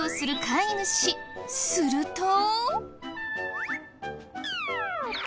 すると。